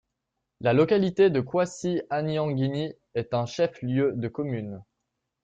La localité de Kouassi-Anianguini est un chef-lieu de commune.